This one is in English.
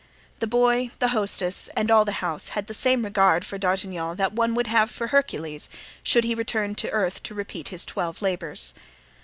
The boy, the hostess, and all the house had the same regard for D'Artagnan that one would have for Hercules should he return to earth to repeat his twelve labors.